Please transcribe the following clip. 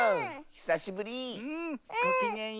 ひさしぶり！